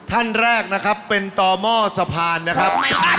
ท่านแรกนะครับเป็นต่อหม้อสะพานนะครับ